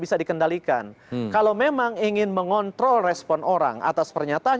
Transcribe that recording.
bisa dikendalikan kalau memang ingin mengontrol respon orang atas pernyataan